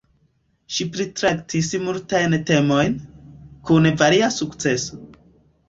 Ŝi pritraktis multajn temojn, kun varia sukceso.